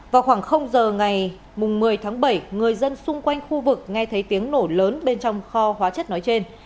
vào khoảng giờ ngày một mươi tháng bảy người dân xung quanh khu vực nghe thấy tiếng nổ lớn bên trong kho hóa chất nói trên